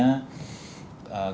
kita tahu beberapa mata uangnya